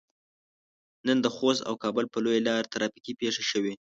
نن د خوست او کابل په لويه لار ترافيکي پېښه شوي.